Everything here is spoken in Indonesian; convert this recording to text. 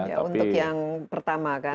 ya untuk yang pertama kan